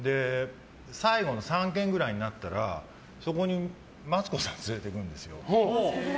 最後の３軒くらいになったらそこにマツコさん連れていくんですよ。